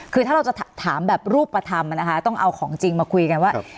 คือถ้าเราจะถามแบบรูปธรรมนะคะต้องเอาของจริงมาคุยกันว่า